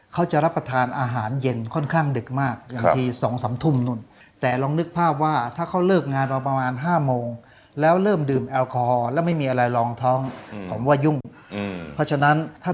เขาจะรับประทานอาหารเย็นค่อนข้างดึกมากอย่างที่๒๓ทุ่มนู่น